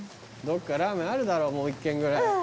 どっかラーメンあるだろうもう一軒ぐらい。